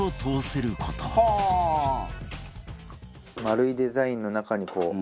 丸いデザインの中にこう。